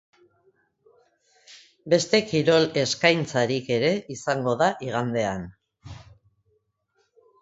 Beste kirol eskaintzarik ere izango da igandean.